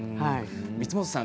光本さん